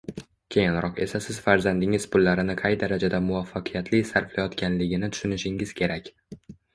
keyinroq esa siz farzandingiz pullarini qay darajada muvaffaqiyatli sarflayotganligini tushunishingiz kerak.